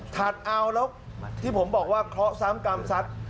เอาแล้วที่ผมบอกว่าเคราะห์ซ้ำกรรมสัตว์